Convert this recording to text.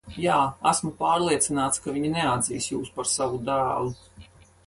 Jā, esmu pārliecināts, ka viņi neatzīs jūs par savu dēlu.